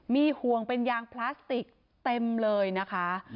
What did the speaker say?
มีห่วงเป็นยางพลาสติกเต็มเลยนะคะ